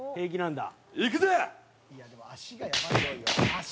「いやでも足がやばいよ足足！」